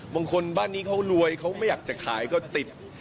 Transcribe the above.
บางคนบ้านนี้เขารวยเขาไม่อยากจะขายก็ติด